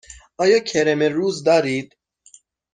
آیا کرم روز دارید؟